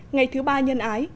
ngày thứ ba nhân ái